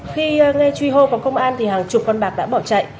khi nghe truy hô vào công an thì hàng chục con bạc đã bỏ chạy